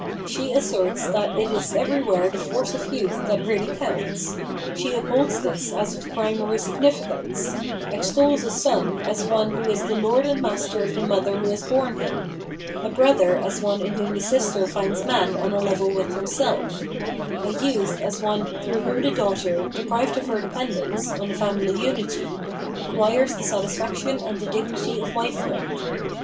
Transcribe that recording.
She asserts that it is everywhere the force of youth that really counts ; she upholds this as of primary significance ; extols a son as one who is the lord and master of the mother who has borne him; a brother as one in whom the sister finds man on a level with herself; a youth as one through whom the daughter, deprived of her dependence (on the family tmity), acquires the satis faction and the dignity of wifehood.